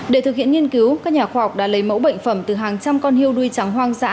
để thực hiện nghiên cứu các nhà khoa học đã lấy mẫu bệnh phẩm từ hàng trăm con hu đuôi trắng hoang dã